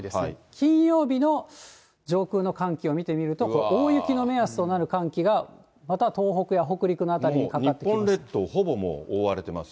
金曜日の上空の寒気を見てみると、大雪の目安となる寒気がまた東北や北陸の辺りにかかってきます。